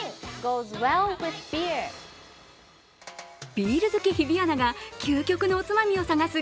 ビール好き日比アナが究極のおつまみを探す